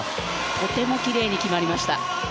とてもきれいに決まりました。